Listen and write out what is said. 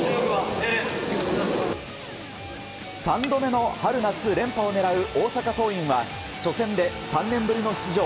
３度目の春夏連覇を狙う大阪桐蔭は初戦で３年ぶりの出場。